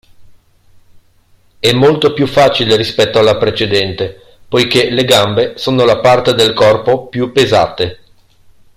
È molto più facile rispetto alla precedente poiché le gambe sono la parte del corpo più pesate.